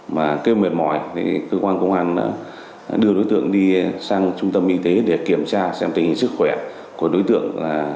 mà kêu mệt mỏi thì cơ quan công an đã đưa đối tượng đi sang trung tâm y tế để kiểm tra xem tình hình sức khỏe của đối tượng là